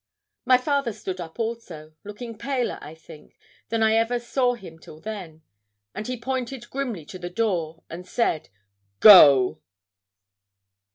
My father stood up also, looking paler, I think, than I ever saw him till then, and he pointed grimly to the door, and said, 'Go.'